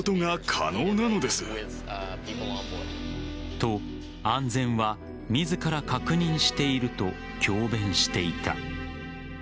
と、安全は自ら確認していると強弁していた。